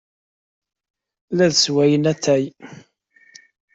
La d-ssewwayen atay.